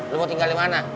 lo mau tinggal dimana